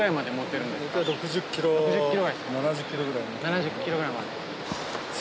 ７０キロぐらいまで。